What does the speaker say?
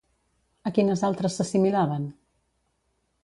A quines altres s'assimilaven?